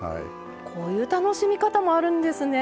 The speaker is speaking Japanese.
こういう楽しみ方もあるんですね。